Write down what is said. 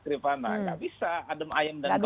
gak bisa adem ayem dan kemayu